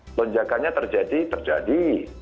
melonjakannya terjadi terjadi